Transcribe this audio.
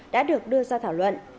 đã được đưa ra thảo luận